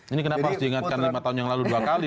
ini kenapa harus diingatkan lima tahun yang lalu dua kali